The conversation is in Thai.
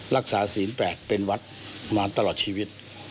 รักษาศีลแปดเป็นวัดมาตลอดชีวิต